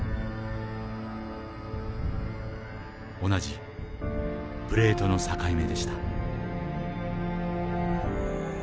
同じプレートの境目でした。